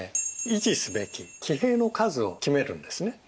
維持すべき騎兵の数を決めるんですね。